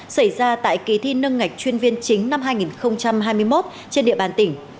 xảy ra tại kỳ thi nâng ngạch chuyên viên chính năm hai nghìn hai mươi một trên địa bàn tỉnh